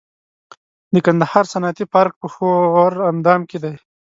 د کندهار صنعتي پارک په ښوراندام کې دی